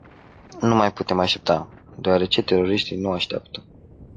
Nu mai putem aștepta, deoarece teroriștii nu așteaptă.